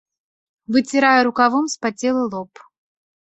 Выцірае рукавом спацелы лоб.